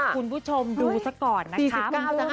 คุณผู้ชมดูซะก่อนนะคะ